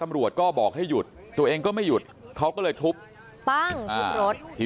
มีกล้วยติดอยู่ใต้ท้องเดี๋ยวพี่ขอบคุณ